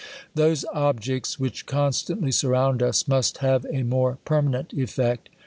Those objects, which constantly surround us, must have a more permanent eifect.